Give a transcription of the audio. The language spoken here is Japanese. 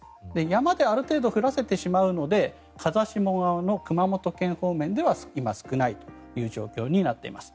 山である程度降らせてしまうので風下側の熊本県方面では今、少ないという状況になっています。